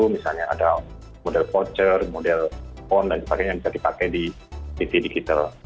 misalnya ada model voucher model pon dan sebagainya yang bisa dipakai di tv digital